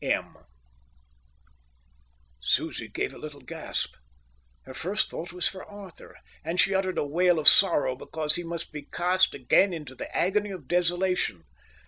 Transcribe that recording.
M Susie gave a little gasp. Her first thought was for Arthur, and she uttered a wail of sorrow because he must be cast again into the agony of desolation.